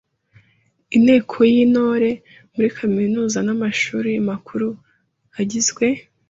Inteko y’Intore muri kaminuza n’amashuri makuru igizwe